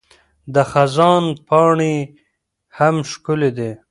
د خزان پاڼې هم ښکلي دي.